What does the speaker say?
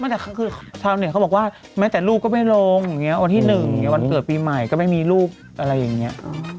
แต่ชาวเน็ตเขาบอกว่าแม้แต่ลูกก็ไม่ลงวันที่หนึ่งวันเกิดปีใหม่ก็ไม่มีลูกอะไรอย่างเงี้ย